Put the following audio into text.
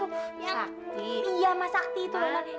iya mas sakti itu loh nont